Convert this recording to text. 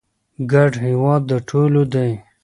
ګډ هېواد د ټولو دی.